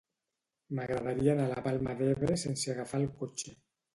M'agradaria anar a la Palma d'Ebre sense agafar el cotxe.